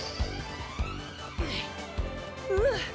うん！